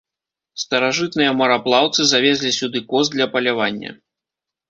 Старажытныя мараплаўцы завезлі сюды коз для палявання.